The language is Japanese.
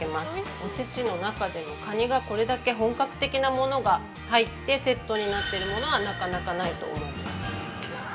おせちの中でもカニがこれだけ本格的なものが入ってセットになっているものはなかなかないと思います。